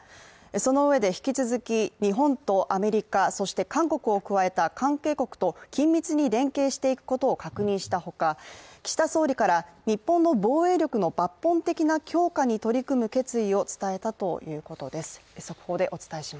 そのうえで引き続き日本とアメリカ、そして韓国を加えた関係国と緊密に連携していくことを確認した他岸田総理から日本の防衛力の抜本的な強化に取り組む決意を伝えたということです。